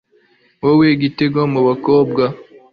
wowe gitego mu bakobwa